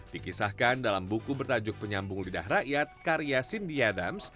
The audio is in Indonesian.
dikisahkan dalam buku bertajuk penyambung lidah rakyat karya cindiadams